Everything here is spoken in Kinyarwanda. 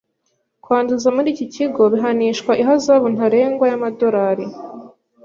Kwanduza muri iki kigo bihanishwa ihazabu ntarengwa y’amadolari .